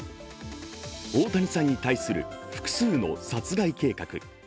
大谷さんに対する複数の殺害計画。